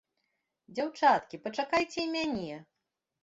Дзяўчаткі, пачакайце і мяне!